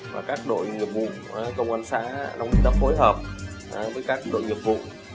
và các đội nghiệp vụ công an xã đã phối hợp với các đội nghiệp vụ